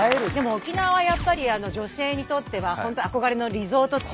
沖縄はやっぱり女性にとっては本当憧れのリゾート地。